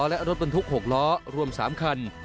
และรถบรรทุก๖ล้อรวม๓คัน